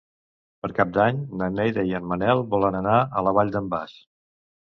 Per Cap d'Any na Neida i en Manel volen anar a la Vall d'en Bas.